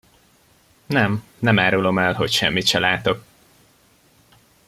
Nem, nem árulom el, hogy semmit se látok!